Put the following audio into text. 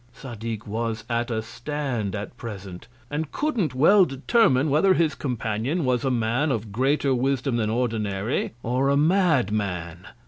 Zadig was at a stand at present; and couldn't well determine whether his Companion was a Man of greater Wisdom than ordinary, or a Mad man.